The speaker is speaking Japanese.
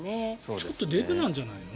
ちょっとデブなんじゃないの？